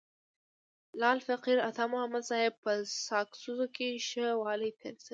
لعل فقیر عطا محمد صاحب په ساکزو کي ښه ولي تیر سوی.